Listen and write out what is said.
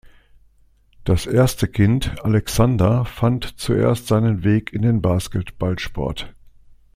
Das erste Kind, Aleksandar fand zuerst seinen Weg in den Basketballsport.